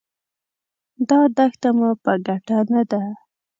دا دښته مو په ګټه نه ده.